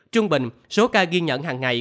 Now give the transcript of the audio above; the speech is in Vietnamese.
trung bình số ca ghi nhận hằng ngày